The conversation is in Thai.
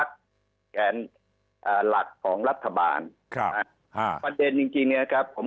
ชุดนี้ด้วยนะครับก็เป็นสตพักธรรมนาธิการผลักษ์ของรัฐบาล